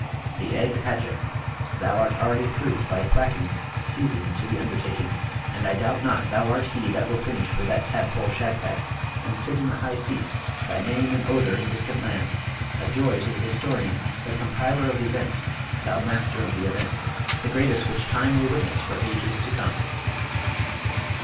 The egg hatcheth. Thou art already proved by thwackings, seasoned to the undertaking, and I doubt not thou art he that will finish with that tadpole Shagpat, and sit in the high seat, thy name an odour in distant lands, a joy to the historian, the Compiler of Events, thou Master of the Event, the greatest which time will witness for ages to come.'